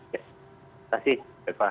terima kasih mbak iva